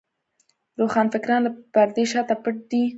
روښانفکران له پردې شاته پټ دي.